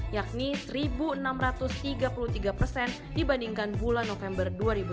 yakni satu enam ratus tiga puluh tiga persen dibandingkan bulan november dua ribu sembilan belas